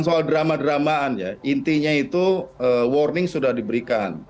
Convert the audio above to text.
soal drama dramaan ya intinya itu warning sudah diberikan